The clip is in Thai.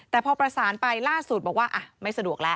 แต่พอประสานไปล่าสุดบอกว่าไม่สะดวกแล้ว